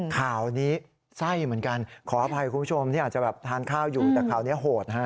ข่าวนี้ไส้เหมือนกันขออภัยคุณผู้ชมที่อาจจะแบบทานข้าวอยู่แต่คราวนี้โหดฮะ